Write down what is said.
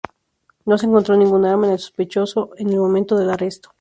No se encontró ningún arma en el sospechoso en el momento del arresto.